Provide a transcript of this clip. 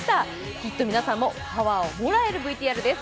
きっと皆さんもパワーをもらえるＶＴＲです。